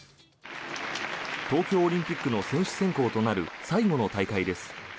東京オリンピックの選手選考となる最後の大会です。